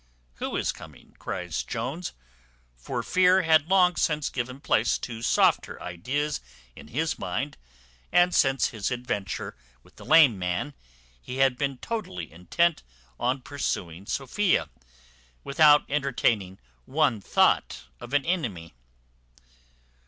"Who is coming?" cries Jones; for fear had long since given place to softer ideas in his mind; and since his adventure with the lame man, he had been totally intent on pursuing Sophia, without entertaining one thought of an enemy.